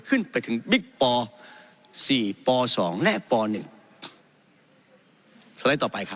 ขึ้นไปถึงบิ๊กปสี่ปสองและป๑สไลด์ต่อไปครับ